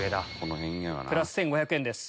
プラス１５００円です。